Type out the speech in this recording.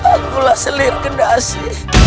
akulah selir kendasi